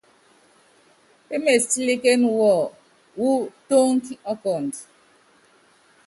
Pémeésítílíkén wɔ wɔ́ tónki ɔkɔnd.